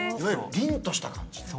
ぴんとした感じ。